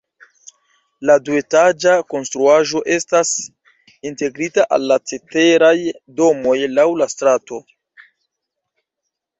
La duetaĝa konstruaĵo estas integrita al la ceteraj domoj laŭ la strato.